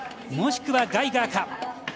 もしくはガイガーか。